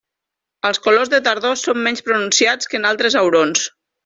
Els colors de tardor són menys pronunciats que en altres aurons.